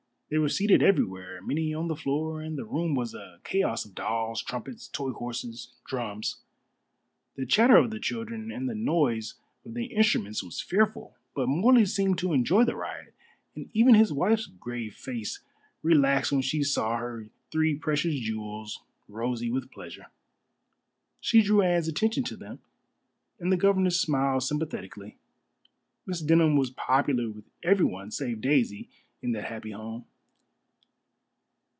They were seated everywhere, many on the floor, and the room was a chaos of dolls, trumpets, toy horses, and drums. The chatter of the children and the noise of the instruments was fearful. But Morley seemed to enjoy the riot, and even his wife's grave face relaxed when she saw her three precious jewels rosy with pleasure. She drew Anne's attention to them, and the governess smiled sympathetically. Miss Denham was popular with everyone save Daisy in that happy home.